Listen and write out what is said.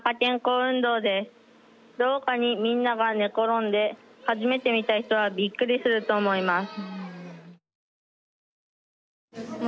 廊下にみんなが寝転んで初めて見た人はびっくりすると思います。